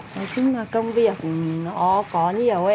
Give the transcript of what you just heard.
nói chung là công việc nó có nhiều